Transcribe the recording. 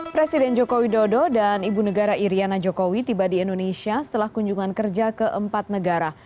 presiden joko widodo dan ibu negara iryana jokowi tiba di indonesia setelah kunjungan kerja ke empat negara